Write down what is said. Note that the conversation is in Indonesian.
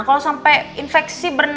kalau sampai infeksi bernana